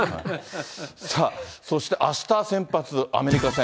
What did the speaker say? さあ、そしてあした先発、アメリカ戦。